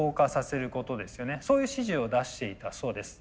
そういう指示を出していたそうです。